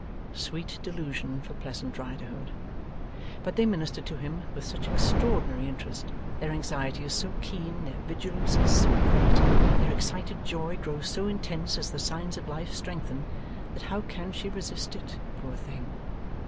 Sweet delusion for Pleasant Riderhood. But they minister to him with such extraordinary interest, their anxiety is so keen, their vigilance is so great, their excited joy grows so intense as the signs of life strengthen, that how can she resist it, poor thing!